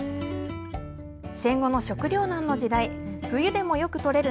戦後の食糧難の時代、冬でもよく採れる